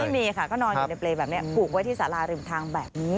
ไม่มีค่ะก็นอนอยู่ในเปรย์แบบนี้ผูกไว้ที่สาราริมทางแบบนี้